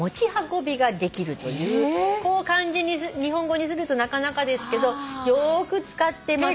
こう漢字に日本語にするとなかなかですけどよーく使ってます。